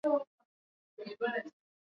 matambiko ni suala la kawaida kwa wachaga